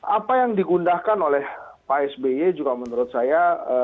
apa yang digundahkan oleh pak sby juga menurut saya